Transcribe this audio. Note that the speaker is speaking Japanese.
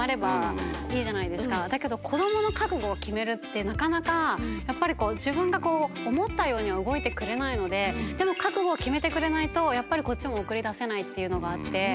だけど子供の覚悟を決めるってなかなかやっぱり自分が思ったようには動いてくれないのででも覚悟を決めてくれないとやっぱりこっちも送り出せないっていうのがあって。